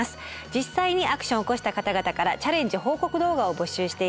実際にアクションを起こした方々からチャレンジ報告動画を募集しています。